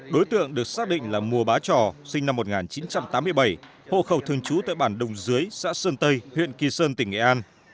đối tượng được xác định là mùa bá trò sinh năm một nghìn chín trăm tám mươi bảy hộ khẩu thường trú tại bản đồng dưới xã sơn tây huyện kỳ sơn tỉnh nghệ an